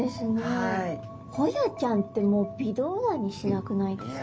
ホヤちゃんってもう微動だにしなくないですか？